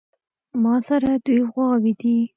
ماسره دوې غواوې دي